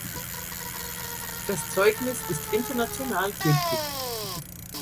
Das Zeugnis ist international gültig.